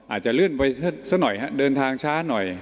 อาจจะเลื่อนไปสักหน่อยฮะเดินทางช้าหน่อย